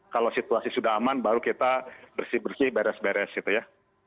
kalau situasi sudah aman baru kita bersih bersih beres beres gitu ya